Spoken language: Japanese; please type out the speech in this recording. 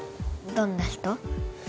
どんな人？